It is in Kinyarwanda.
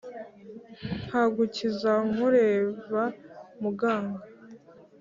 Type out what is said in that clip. nkagukiza nkubera muganga